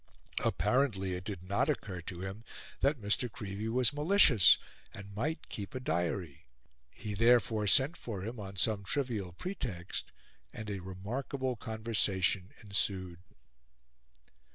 Apparently it did not occur to him that Mr. Creevey was malicious and might keep a diary. He therefore sent for him on some trivial pretext, and a remarkable conversation ensued.